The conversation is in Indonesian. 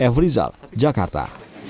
f rizal jakarta